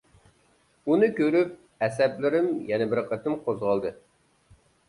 ئۇنى كۆرۈپ ئەسەبلىرىم يەنە بىر قېتىم قوزغالدى.